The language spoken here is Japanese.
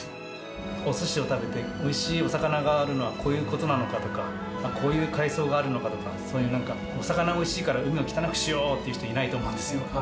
おすしを食べて、おいしいお魚があるのは、こういうことなのかとか、こういう海藻があるのかとか、そういうなんかお魚おいしいから、海を汚くしようという人はいないと思うんですよ。